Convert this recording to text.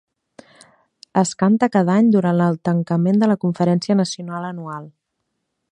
Es canta cada any durant el tancament de la conferència nacional anual.